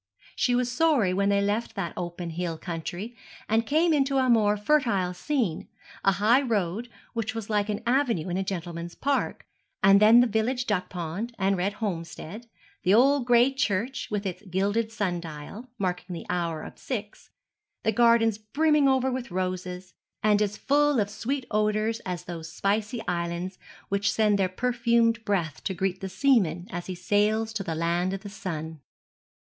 She was sorry when they left that open hill country and came into a more fertile scene, a high road, which was like an avenue in a gentleman's park, and then the village duck pond and red homestead, the old gray church, with its gilded sun dial, marking the hour of six, the gardens brimming over with roses, and as full of sweet odours as those spicy islands which send their perfumed breath to greet the seaman as he sails to the land of the Sun.